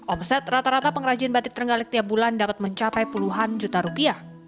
omset rata rata pengrajin batik terenggalek tiap bulan dapat mencapai puluhan juta rupiah